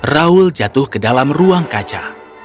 raul jatuh ke dalam ruang kaca